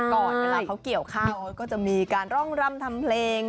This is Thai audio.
ก่อนเวลาเขาเกี่ยวข้าวเขาก็จะมีการร่องรำทำเพลง